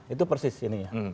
itu persis ini ya